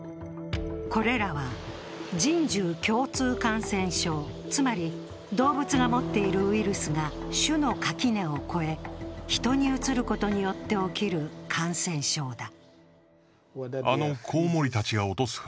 これらは人獣共通感染症、つまり動物が持っているウイルスが種の垣根を越え、ヒトにうつることによって起きる感染症だ。